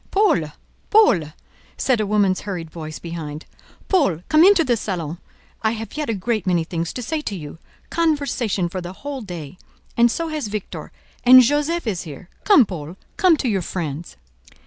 "Paul, Paul!" said a woman's hurried voice behind, "Paul, come into the salon; I have yet a great many things to say to you—conversation for the whole day—and so has Victor; and Josef is here. Come Paul, come to your friends."